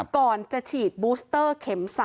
ก่อนจะฉีดบูสเตอร์เข็ม๓